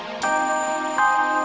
kakak sama kakak dalam